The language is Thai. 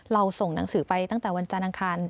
เราส่งหนังสือไปตั้งแต่วันจานางคาร